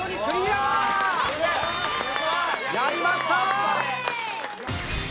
やりました！